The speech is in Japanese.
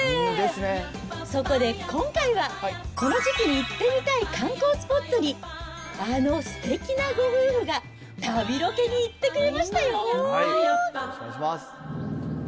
そこで今回は、この時期に行ってみたい観光スポットに、あのすてきなご夫婦が旅ロケに行ってくれましたよ。